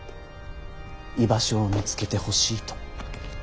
居場所を見つけてほしいと。